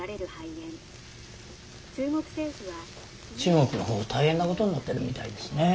中国の方大変なことになってるみたいですね。